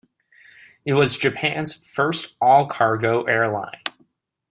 It was Japan's first all-cargo airline.